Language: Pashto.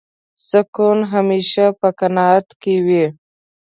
سکون همېشه په قناعت کې وي.